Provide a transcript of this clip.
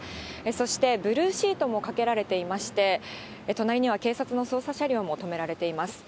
そしてブルーシートもかけられていまして、隣には警察の捜査車両も止められています。